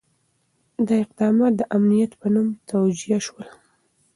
دا اقدامات د امنیت په نوم توجیه شول.